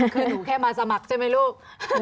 คือหนูแค่มาสมัครใช่ไหมลูก